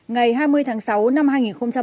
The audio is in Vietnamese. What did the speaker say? ngày hai mươi tháng sáu năm hai nghìn một mươi chín